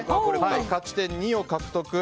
勝ち点２を獲得。